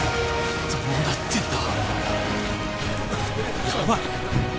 どうなってんだ？